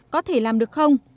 có thể làm được không